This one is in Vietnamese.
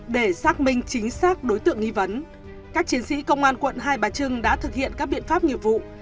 để xác minh chính xác đối tượng nghi vấn các chiến sĩ công an quận hai bà trưng đã thực hiện các biện pháp nghiệp vụ